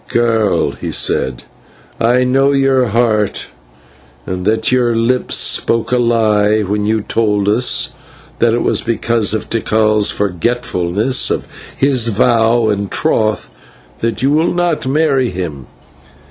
"Girl," he said, "I know your heart and that your lips spoke a lie, when you told us that it was because of Tikal's forgetfulness of his vow and troth that you will not marry him.